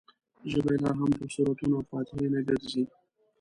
ژبه یې لا هم پر سورتونو او فاتحې نه ګرځي.